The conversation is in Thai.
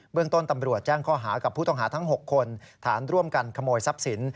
เรื่องต้นตำรวจแจ้งข้อหากับผู้ต้องหาทั้ง๖คนฐานร่วมกันขโมยทรัพย์สิน